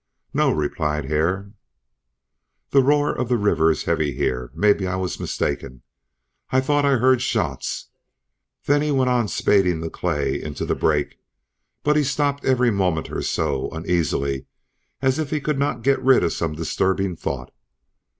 "No," replied Hare. "The roar of the river is heavy here. Maybe I was mistaken. I thought I heard shots." Then he went on spading clay into the break, but he stopped every moment or so, uneasily, as if he could not get rid of some disturbing thought.